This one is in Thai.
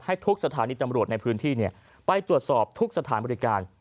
ทุกสถานีตำรวจในพื้นที่ไปตรวจสอบทุกสถานบริการ